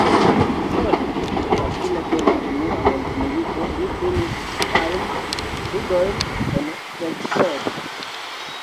Post la fino de la unua mondmilito li finis siajn studojn en Szeged.